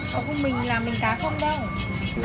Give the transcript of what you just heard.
không không mình làm bình cá bứt đi